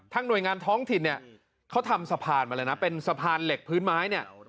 หน่วยงานท้องถิ่นเนี่ยเขาทำสะพานมาเลยนะเป็นสะพานเหล็กพื้นไม้เนี่ย